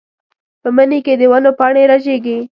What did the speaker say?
په مني کې د ونو پاڼې رژېږي.